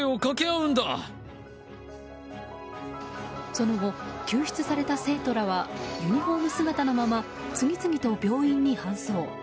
その後、救出された生徒らはユニホーム姿のまま次々と病院に搬送。